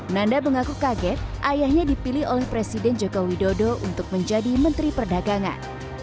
nanda mengaku kaget ayahnya dipilih oleh presiden joko widodo untuk menjadi menteri perdagangan